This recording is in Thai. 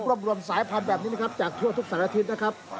ร่วมรวมสายพันธุ์แบบนี้จากทั่วทุกสายละทิตนะครับ